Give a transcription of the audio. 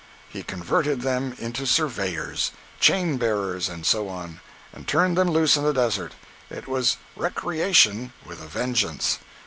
He converted them into surveyors, chain bearers and so on, and turned them loose in the desert. It was "recreation" with a vengeance!